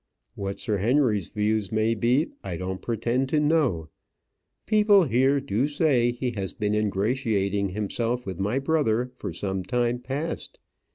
What Sir Henry's views may be, I don't pretend to know. People here do say that he has been ingratiating himself with my brother for some time past.